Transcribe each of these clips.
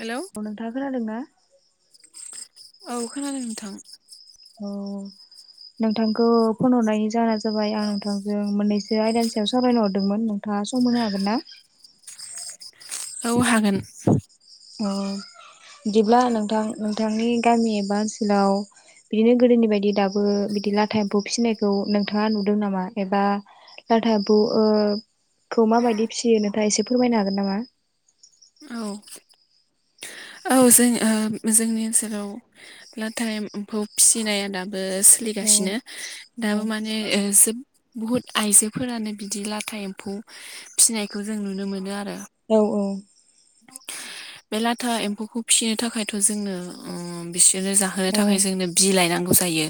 Hello औ नोंथाङा खोनादोंना? औ खोनादों नोंथां। अ। नोंथांखौ फन हरनायनि जाहोना जाबाय आं नोंथांजों मोननैसो आयदानि सायाव सावरायनो हरदोंमोन नोंथां। सम होनो हागोन ना? औ हागोन। अ बिदिब्ला नोंथां नोंथांनि गामि एबा ओनसोलाव बिदिनो गोदोनि बायदि दाबो बिदि लाथा एमफौ फिसिनायखौ नोंथाङा नुदों नामा एबा लाथा एमफौ ओ खौ माबायदि फिसियो नोंथाङा एसे फोरमायनो हागोन नामा? औ। औ जों ओ जोंनि ओनसोलाव लाथा एम्फौ फिसिनाया दाबो बो औ सोलिगासिनो दाबो माने जोब बहुत आइजोफोरानो बिदि लाथा एम्फौ फिसिनायखौ जों नुनो मोनो आरो। औ औ। बे लाथा एम्फौखौ फिसिनो थाखायथ' जोंनो उम्म बिस बिनो जाहोनो औ थाखाय जोंनो बिलाइ नांगौ जायो।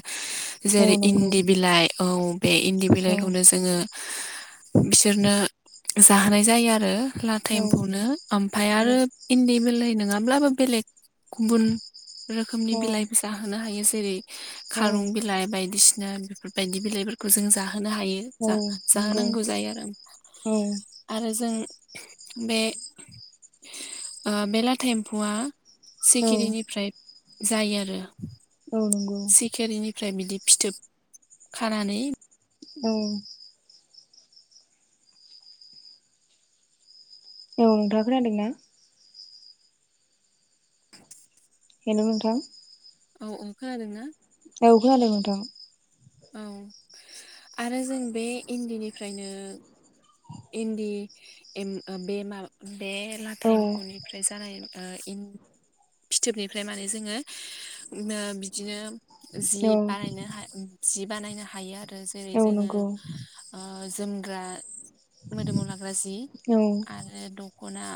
औ जेरै नंगौ इन्दि बिलाइ औ बे इन्दि औ नंगौ औ बिलाइखौनो जोङो बिसोरनो जाहोनाय जायो आरो। लाथा एम्फौनो ओमफ्राय आरो इन्दि बिलाइनो नङाब्लाबो बेलेग गुबुन रोखोमनि औ बिलाइबो जाहोनो हायो जेरै औ खारुं बिलाइ बायदिसिना बेफोरबायदि बिलाइफोरखौ जों जाहो होनो हायो औ नंगौ जा-जाहोनांगौ जायो आरो औ आरो जों बे बे लाथा एम्फुआ औ सिखिरिनिफ्राय जायो आरो। औ नंगौ। फ्राय बिदि फिथोब खानानै औ। औ नोंथाङा खोनादोंना? हेल' नोंथां। औ अखा हादोंना? औ अखा हादों नोंथां। औ आरो जों बे इन्दिनिफ्रायनो इन्दि एमब बे माब बे लाथा औ एम्फौनिफ्राय जानाय ओ इनद फिथोबनिफ्राय माने जोङो बिदिनो जि औ बानायनो हा जि बानायनो हायो आरो जेरै औ जोङो नंगौ ओ ओ जोमग्रा मोदोमाव लाग्रा जि औ आरो दख दख'ना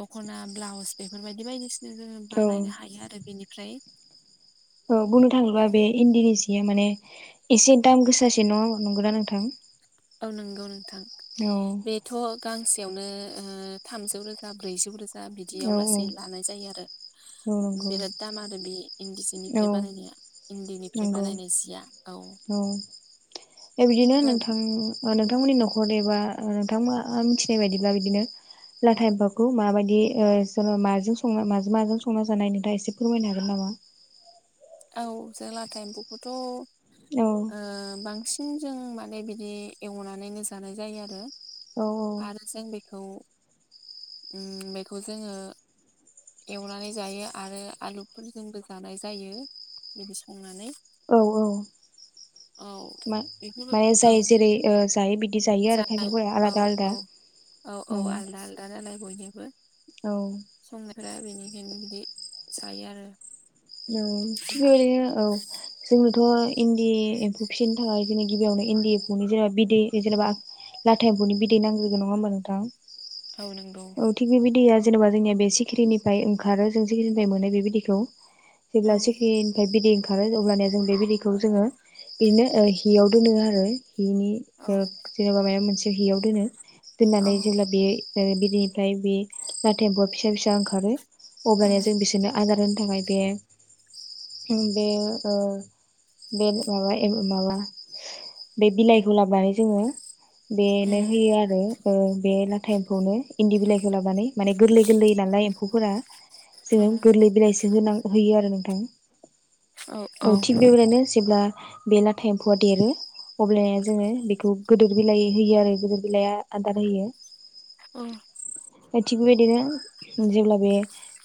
दख'ना ब्लाउस बेफोरबायदि बायदिसि जोङो औ बानायनो हायो आरो बेनिफ्राय औ बुंनो थाङोब्ला बे उम इन्दिनि जिया माने एसे दाम गोसासिन नंगौना नोंथां नंगौ नोंथां औ बेथ' गांसेयावनो थामजौ रोजा ब्रैजौ रोजा दा औ बिदियाव लासै लानाय जायो आरो औ नंगौ बिराद दाम आरो बे इन्दि औ सिनिफ्राय बानायनाया इन्दिनिफ्राय नंगौ बानायनाय जिया औ औ बिदिनो नोंथां नोंथांमोननि न'खर एबा नोंथांमोना मिथिनाय बायदिब्ला बिदिनो लाथा एम्फौखौ माबायदि जोङो माजों संङो माजों संना जानो हायो नोंथाङा एसे फोरमायनो हागोन नामा औ जे लाथा एम्फौखौथ' औ बांसिन बांसिन जों माने बिदि एवनानैनो जानाय जायो आरो औ औ आरो जों बेखौ बेखौ जोङो एवनानै जायो आरो आलुफोरजोंबो जानाय जायो बिदि संनानै औ औ [unintelligible] जेरै जायो बिदि जायो आरो जाय खायफाफोरा औ आलादा आलादा औ औ औ आलदा आलदा नालाय बयनिबो औ संनायफोरा बेनिखायनो बिदि जायो आरो औ थिग बेबायदिनो औ जोंनोथ' इन्दि एम्फौ फिसिनो थाखाय गिबियावनो इन्दि एमफौनि जेनेबा बिदै जेनेबा लाथा एम्फौनि बिदै नांग्रोगोन नङा होमबा नोंथां औ नंगौ औ थिग बे बिदैया जेनेबा जोंनिया बे सिखिरिनिफ्राय ओंखारो जों सिखिरिनिफ्राय मोनो बे बिदैखौ औ जेब्ला सिखिरिनिफ्राय बिदै ओंखारो अब्लानिया जों बे बिदैखौ जोङो बिदिनो हियाव दोनो आरो हिनि औ जेनेबा माबा मोनसे हियाव दोनो औ दोननानै जेब्ला बियो बे बिनिफ्राय बे लाथा एम्फौआ फिसा फिसा ओंखारो अब्लानिया उम जों बिसोरनो आदार हो- नो थाखाय बे बे बे माबा माबा बे बिलाइखौ लाबोनानै जोङो बेनो उम होयो आरो बे लाथा एमफौनो इन्दि बिलाइखौ लाबोनानै माने गोरलै गोरलै नालाय एम्फौफोरा औ जोङो गोरलै बिलाइसो होनां- हैयो आरो नोंथां औ थिग बेबायदिनो जेब्ला बे लाथा एम्फौआ देरो अब्लाया जोङो बेखौ गोदोर बिलाइ होयो आरो गोदोर बिलाइ आदार होयो औ थिग बेबायदिनो जेब्ला बे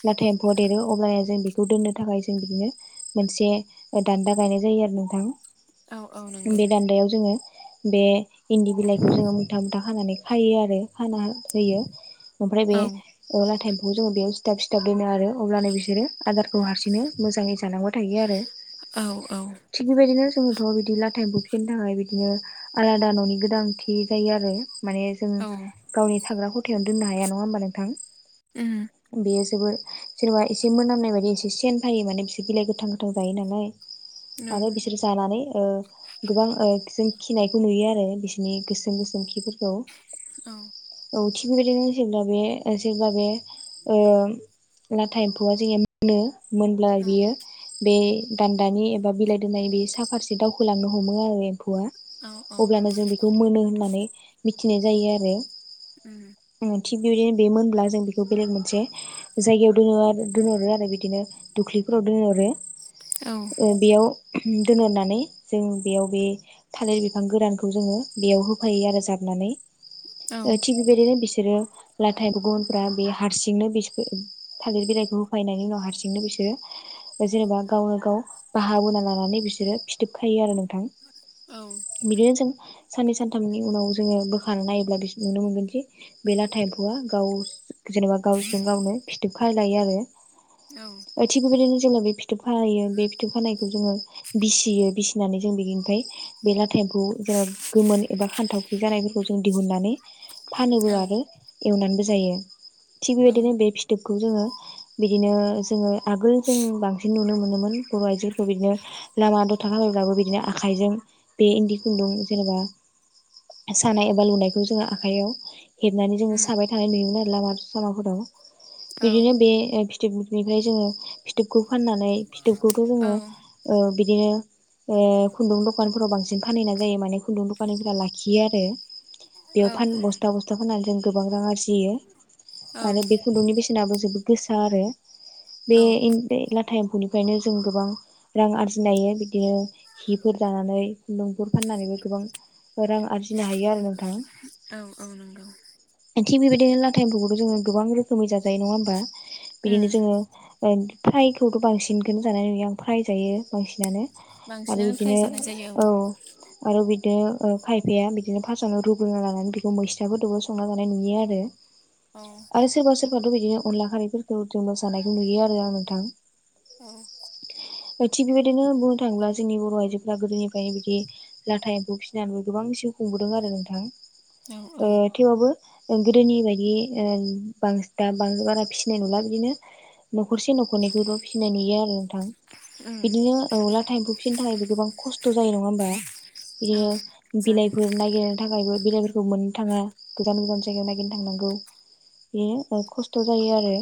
लाथा एम्फौआ देरो अब्ला जों बेखौ दोननो थाखाय जों बिदिनो मोनसे दान्दा गायनाय जायो आरो औ औ नोंथां नंगौ बे दान्दायाव जोङो बे इन्दि बिलाइखौ जोङो मुथा मुथा खानानै खायो आरो खाना होयो ओमफ्राय बे औ लाथा एम्फौखौ जोङो बेयाव सिथाब सिथाब दोनो आरो अब्लानो बिसोरो आदारखौ हारसिंनो मोजाङै जालांबाय थायो आरो औ औ थिग बेबायदिनो जोङोथ' बिदि लाथा एम्फौ फिनो थाखाय बिदिनो आलादा न'नि गोनांथि जायो आरो माने जों गावनि थाग्रा खथायावनो दोननो हाया नङा होमबा नोंथां उम बेयो जोबोर जेनबा एसे मोनामनाय बायदि एसे सेन फैयो माने बिसोर बिलाइ गोथां गोथां जायो नालाय औ आरो बिसोर जानानै गोबां जों खिनायखौ नुयो आरो बिसोरनि गोसोम गोसोम खिफोरखौ औ औ थिग बिदिनो जेनबा बे जेनबा बे लाथा एम्फौआ जोंनिया मोनो मोनब्ला बियो बे दान्दानि एबा बिलाइ दोननायनि साफारसे दावखोलांनो हमो आरो एम्फौआ औ अब्लानो जों बेखौ मोनो होननानै मिथिनाय जायो आरो उम थिग बेबायदिनो बे मोनब्ला जों बेखौ बेलेग मोनसे जायगायाव दोनो आरो दोनहरो आरो बिदिनो दुख्लिफोराव दोनहरो औ ओ बेयाव दोनहरनानै जों बेयाव बे थालिर बिफां गोरानखौ जोङो बेयाव होफायो आरो जाबनानै औ ओ उम थिग बेबायदिनो बिसो रो लाथा एम्फौ गोमोनफोरा बे हारसिंनो बिस थालिर बिलाइखौ होफैनायनि उनाव हारसिंनो बिस सोरो जेनेबा गावनो गाव बाहाबोना लानानै बिसोरो फिथोब खायो आरो नों थां औ बिदिनो जों साननै सानथामनि उनाव जोङो बोखारना नायोब्ला नुनो मोनगोनदि बे लाथा एम्फौआ गाव जेनेबा गावजों गावनो फिथोब खाज्लायो आरो औ थिग बेबायदिनो जोङो बे फिथोब खाहोयो बे फिथोब खानायखौ जोङो बिसियो बिसिनानै जों बिनिफ्राय बे लाथा एम्फौखौ जोङो गोमोन एबा खान्थावख्रि जानाय फोरखौ जों दिहुननानै फानोबो आरो एवनानैबो जायो थिग बेबायदिनो बे फिथोब खौ जोङो बिदिनो जोङो आगोल जों बांसिन नुनो मो नोमोन बर' आजोफोरखौ बिदिनो लामा दथा [unintelligible] बिदिनो आखाइजों बे इन्दि खुुंन्दुं जेनेबा बा सानाय एबा लुनायखौ जोङो आखायाव हेबनानै जोङो साबाय थानाय नुयोमोन आरो लामा सामाफोराव बिदिनो बे फिथोबनिफ्राय जोङो फिथोब खौ फाननानै फिथोबखौथ' जोङो ओ बिदिनो ओ खुन्दुं दखानफोराव बांसिन फानहैना जायो मे खुन्दुं दखानि लाखियो आरो बेयाव फान बस फाननानै जों गोबां रां आरजियो आरो बे खुन्दुंनि बेसेनाबो जोबोद गोसा आरो बे औ इन लाथा एम्फौनि फ्रायनो जों गोबां रां आरजिनो हायो बिदिनो हिफोर दानानै खुन्दुंफोर फाननानैबो गो बां रां आरजिनो हायो आरो नों औ औ नंगौ। थिग बेबायदिनो लाथाइमफोरखौथ' जोङो गोबां रोखोमै जाजायो नङा होमबा उम बिदिनो जोङो ओ फ्रायखौथ' बांसिनखौननो जानाय नुयो आं फ्राय जायो बांसिनानो आरो बांसिनानो फ्राय बिदिनो जानाय जायो औ आरो बि दिनो खायफाया बिदिनो फार्स्टआवनो दिनो खायफाया रुग्रोनना लानानै बेखौ मैस्थाफोरजोंबो संना जानाय नुयो आरो औ आरो सोरबा सोरबाथ' बिदिनो अनला खारैफोरखौ जेनेबा जानायखौ नुयो आरो आं नोंथां। अ थिग बेबायदिनो बुंनो थाङोब्ला जोंनि बर' आइजोफोरा गोदोनिफ्राय बिदि लाथा एम्फौ फिसिनानैबो गोबां जिउ खुंबोदों आरो नोंथां औ औ ओ थेवबाबो ओं गोदोनि बायदि ओ बां बांसि दा बारा फिसिनाय नंला बिदिनो न'खरसे न'खरनैखौल' फिसिनाय नुयो आरो नोंथां उम बिदिनो लाथा एम्फौ फिसिनो थाखायबो गोबां खस थ' जायो नङा होमबा औ बिदिनो जायो बिलाइफोर नायगिरनो थाखायबो बिलाइफोर मोननो थाङा गोजान गोजान जायगायाव नागिरनो थांनांगौ बेयो खस्थ' जायो आरो।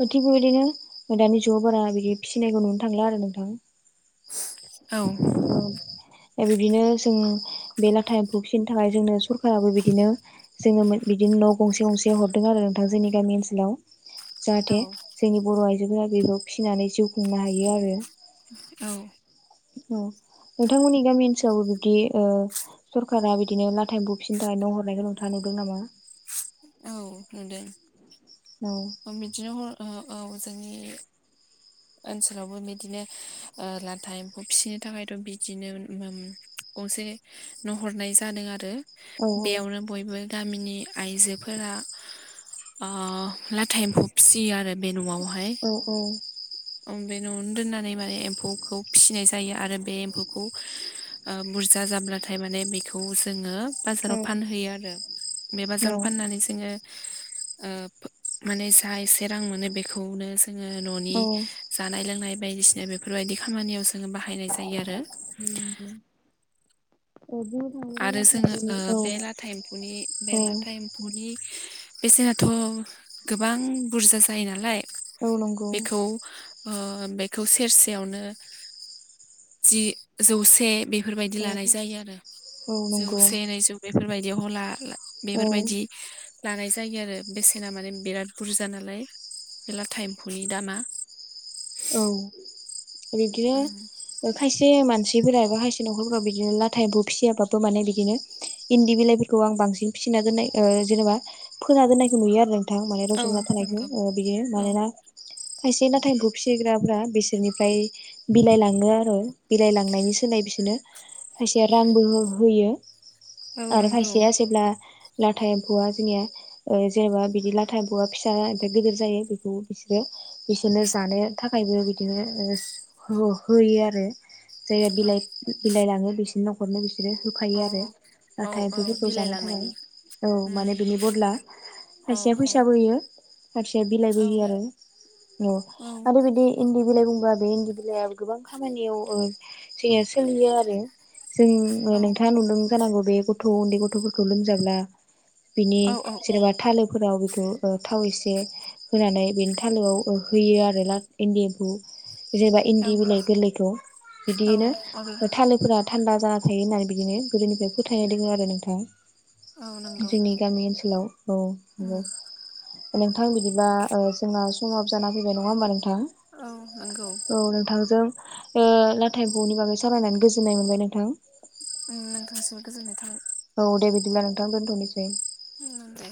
औ थिक बे बायदिनो दानि ज' बारा बिदि फिसिनायखौ नुनो थांला आरो नोंथां। [inaudible] औ। बिदिनो जों बे लाथा एमफौ फिसिनो थाखाय जोंनो सरखाराबो बिदिनो जोंनो बिदिनो न' गंसे गंसे हरदों आरो नोंथां जोंनि गामि ओनसोलाव। औ जाहाथे जोंनि बर' आइजोफोरा बेखौ फिसिनानै जिउ खुंनो हायो आरो। औ। औ नोंथांमोननि गामि ओनसोलावबो बिब्दि ओ सरकारा बिदिनो लाथाइ बुफिननो थाखाय न' हरनायखौ नोंथाङा नुदों नामा? औ नुदों। औ बिदिनो हर ओ औ जोंनि ओनसोलावबो बिदिनो लाथा एम्फौ फिसिनो थाखायथ' बिदिनो गंसे न हरनाय जादों आरो औ बेयावनो बयबो गामिनि आइजोफोरा ओ लाथा एम्फौ फिसियो आरो बे न'आव। औ औ। बे न'आवनो दोननानै माने एम्फौखौ फिसिनाय जायो आरो बे एम्फौखौ ओ बुरजा जाब्लाथाय माने बेखौ जोङो बाजाराव फानहैयो आरो बे औ बाजाराव फाननानै जोङो ओ माने जा एसे रां मोनो बेखौनो जोङो न'नि औ जानाय लोंनाय बायदिसिना बेफोरबायदि खामानियाव जो बायनाय जायो आरो। नंगौ बुंनो थाङोब्ला आरो लाथा जोङो ओ एम्फौनि औ बे लाथा एम्फौनि बे औ लाथा एम्फौनि बेसेनाथ' गोबां बुरजा जायो नालाय औ नंगौ बेखौ ओ बेखौ सेरसेयावनो जि जौसे बे बेफोरबायदि औ लानाय जायो आरो। औ नंगौ जौसे नैजौ बेफोरबायदियाव ला औ बेफोरबायदि लानाय जायो आरो बेसेना माने बिराद बुरजा नालाय बे लाथा एम्फौनि दामा। औ उम बिदिनो खायसे मानसि बिफोरा एबा खायसे नखरफोरखौ आव एबा बिदिनो लाथा एम्फौ फिसियाबाबो माने बिदिनो इन्दि बिलाइफोरखौ आं बांसिन फिसि ओ जेनेबा फोना दोन्नायखौ नुयो आरो जों। थांबाय औ रज'ना थानायखौ नंगौ अ बियो औ मानोना खायसे नाथाय फिग्राफ्रा। बिसोरनिफ्राय बिलाइ लाङो आरो बिलाइलांनायनि सोलाय बिसोरनो। खायसेया रांबो होयो औ आरो नंगौ खायसेया जेब्ला। लाथा एम्फौआ जोंनिया जेनेबा बिदि लाथा एम्फौआ फिसा ओनफाय गिदिर जायो बेखौ बिसोरो। बेसोरनो जानो थाखायबो बिदिनो ओ हो-होयो आरो जाय औ बिलाइ बिलाइ लाङो। बिसिनो हरनो। बिसोरो होफायो औ आरो औ नाथाय औ बेम्फोरखौ बिलाइ जानो थाखाय लांनायनि औ माने उम बिनि बदला। औ खायसे औ फैसाबो होयो खायसेया बिलाइबो औ होयो आरो औ। बेै बिदि इन्दि बिलाइ बुंबा बे इन्दि बिलाइआ गोबां खामानियाव ओ सोलियो आरो जों औ नोंथां आ नुदों जानागौ बे गथ' उन्दै गथ'फोरखौ लोमजाब्ला बिनि औ औ जेनेबा थालोफोराव। थ ओ थाव एसे होनानै बेनि थालोआव ओ होयो आरो ला इन्दि एफु। जेनेबा इन्दि औ बिलाइ गोरलैखौ औ बिदियैनो अब्ला थालोफोरा थान्दा जाना थायो होननानै बिदिनो गोदोनिफ्राय फोथायनाय दोङो आरो नोंथां। औ नंगौ जोंनि गामि ओनसोलाव औ उम औ। नोंथां बिदिबा ओ जोंना समाबो जा फैबाय नङा होमबा नोंथां। औ नंगौ थां औ नोंथांजों। ओ नाथाय बेनि बागै सावरायनानै गोजोननाय मोनबाय नोंथां। ओ नोंथांसिम गोजोननाय थाबाय। औ दे बिदिब्ला नोंथां दोनथ'नोसै। ओं दे।